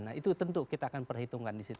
nah itu tentu kita akan perhitungkan di situ